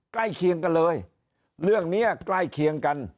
เคียงกันเลยเรื่องนี้ใกล้เคียงกัน